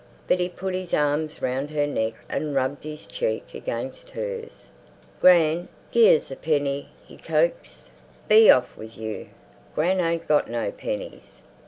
But he put his arms round her neck and rubbed his cheek against hers. "Gran, gi' us a penny!" he coaxed. "Be off with you; Gran ain't got no pennies."